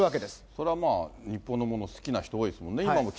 それはまあ、日本のものを好きな人多いですもんね。